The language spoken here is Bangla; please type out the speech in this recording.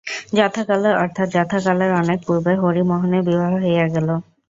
যথাকালে, অর্থাৎ যথাকালের অনেক পূর্বে, হরিমোহনের বিবাহ হইয়া গেল।